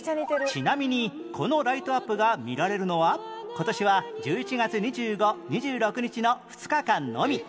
ちなみにこのライトアップが見られるのは今年は１１月２５・２６日の２日間のみ